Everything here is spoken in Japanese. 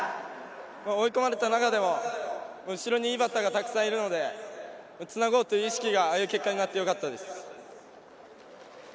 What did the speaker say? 追い込まれた中でも後ろにいいバッターがたくさんいるのでつなごうという意識がああいう結果になってよかったです。